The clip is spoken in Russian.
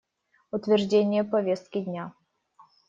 Утверждение повестки дня.